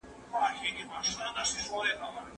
څنګه هېوادونه له نړیوالي ټولني سره یوځای کیږي؟